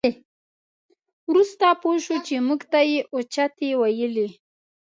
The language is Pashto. وروسته پوه شوو چې موږ ته یې اوچتې ویلې.